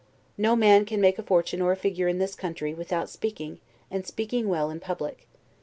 No man can make a fortune or a figure in this country, without speaking, and speaking well in public.